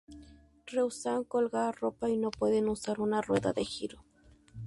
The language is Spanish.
Rehúsan colgar ropa y no pueden usar una rueda de giro.